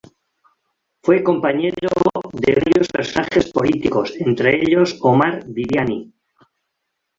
Fue compañero de varios personajes políticos entre ellos Omar Viviani.